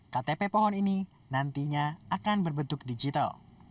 ktp pohon ini nantinya akan berbentuk digital